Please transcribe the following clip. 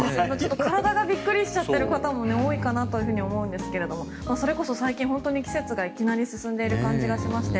体がびっくりしちゃってる方も多いと思うんですが最近、季節がいきなり進んでいる感じがしまして。